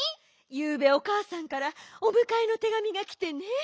ゆうべおかあさんからおむかえのてがみがきてね。